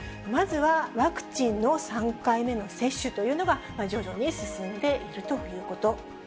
まずはワクチンの３回目の接種というのが、徐々に進んでいるということ。